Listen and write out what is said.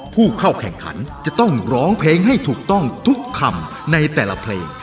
ผู้เข้าแข่งขันจะต้องร้องเพลงให้ถูกต้องทุกคำในแต่ละเพลง